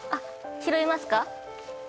拾いますか？